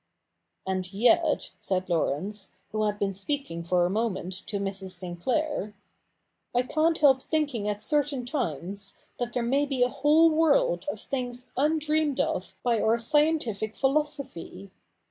' And yet,' sHi^flJj..aftTence, who had been speaking for a moment to Mf§f!.{iSiliclair, ' I can't help thinking at certain times tj^f i^h^re may be a whole world of things undreamed of hfe' wour scientific philosophy.